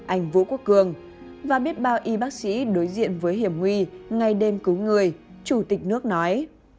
anh vũ quốc cường và biết bao y bác sĩ đối diện với hiểm nguy ngày đêm cứu người chủ tịch nước nói